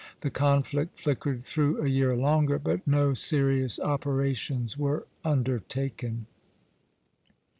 The conflict flickered through a year longer, but no serious operations were undertaken.